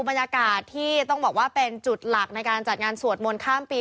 บรรยากาศที่ต้องบอกว่าเป็นจุดหลักในการจัดงานสวดมนต์ข้ามปี